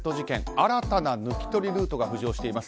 新たな抜き取りルートが浮上しています。